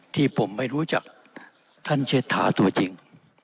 ที่ผมไม่รู้จักท่านเชษฐาตัวจริง